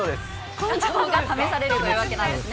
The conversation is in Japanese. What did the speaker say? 根性が試されるというわけなんですね。